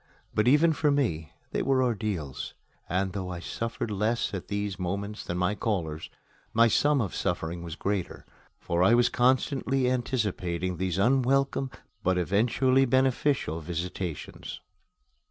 But even for me they were ordeals; and though I suffered less at these moments than my callers, my sum of suffering was greater, for I was constantly anticipating these unwelcome, but eventually beneficial, visitations.